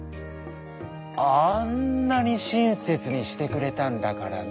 あんなにしんせつにしてくれたんだからのう」。